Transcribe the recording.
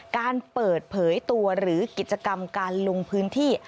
การเปิดเผยตัวหรือกิจกรรมการลงพื้นที่